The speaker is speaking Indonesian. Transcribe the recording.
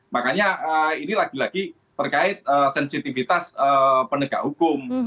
makanya ini lagi lagi terkait sensitivitas penegak hukum